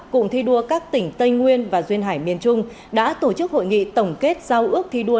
cụm thi đua các tỉnh tây nguyên và duyên hải miền trung đã tổ chức hội nghị tổng kết giao ước thi đua